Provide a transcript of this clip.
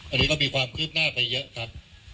อันนี้ก็มีความคืบหน้าไปเยอะครับ